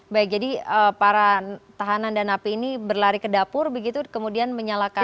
baik jadi para tahanan dan api ini berlari ke dapur begitu kemudian menyalakan